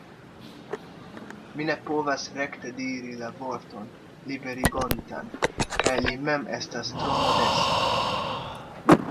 Mi ne povas rekte diri la vorton liberigontan, kaj li mem estas tro modesta!